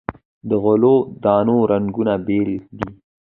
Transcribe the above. د غلو دانو رنګونه بیل دي.